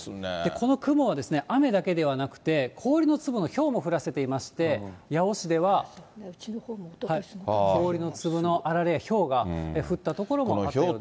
この雲は雨だけではなくて、氷の粒のひょうも降らせていまして、八尾市では氷の粒のあられやひょうが降った所もあったようです。